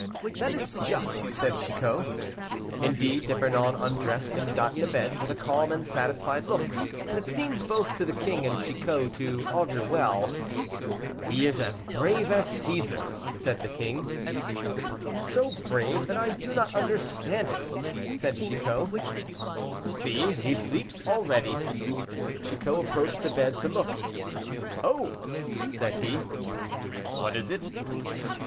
"That is just," said Chicot. Indeed D'Epernon undressed and got into bed, with a calm and satisfied look, that seemed, both to the king and Chicot to augur well. "He is as brave as a Cæsar," said the king. "So brave that I do not understand it," said Chicot. "See, he sleeps already." Chicot approached the bed to look. "Oh!" said he. "What is it?"